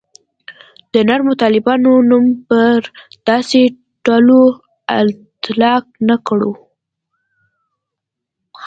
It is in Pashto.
د نرمو طالبانو نوم پر داسې ډلو اطلاق نه کړو.